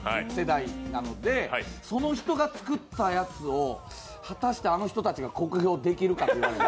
世代なのでその人が作ったやつを、果たしてあの人たちが酷評できるかという。